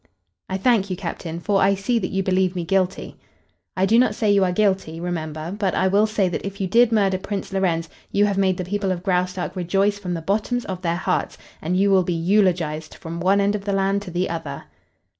"I thank you, captain, for I see that you believe me guilty." "I do not say you are guilty, remember, but I will say that if you did murder Prince Lorenz you have made the people of Graustark rejoice from the bottoms of their hearts, and you will be eulogized from one end of the land to the other."